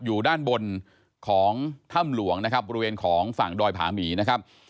อยู่ด้านบนของถ้ำหลวงนะครับบริเวณของฝั่งดอยผาหมีนะครับ